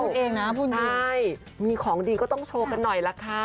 นี่เป็นตัวเองนะพูดดีใช่มีของดีก็ต้องโชว์กันหน่อยละค่ะ